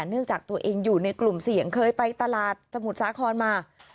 เนื่องจากตัวเองอยู่ในกลุ่มเสี่ยงเคยไปตลาดสมุทรสาครมา